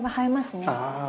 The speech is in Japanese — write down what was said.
ああ